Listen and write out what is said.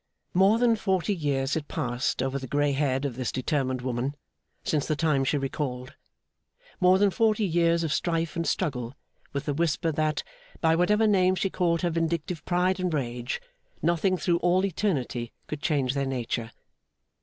More than forty years had passed over the grey head of this determined woman, since the time she recalled. More than forty years of strife and struggle with the whisper that, by whatever name she called her vindictive pride and rage, nothing through all eternity could change their nature.